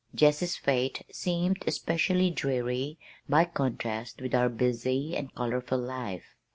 Jessie's fate seemed especially dreary by contrast with our busy and colorful life.